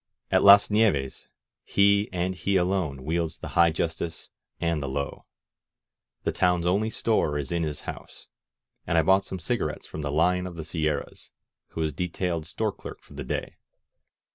At Las Nieves he and he alone wields the high justice and the low. The town's only store is in his house, and I bought some cigarettes from the Lion of the Sierras, who was de tailed store clerk for the day.